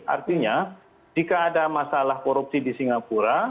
artinya jika ada masalah korupsi di singapura